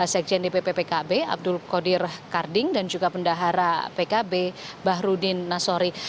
sekjen dpp pkb abdul qadir karding dan juga pendahara pkb bahrudin nasori